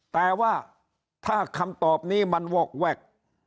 แต่ว่าถ้าคำตอบนี้มันวอกแวก